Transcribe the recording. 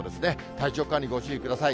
体調管理、ご注意ください。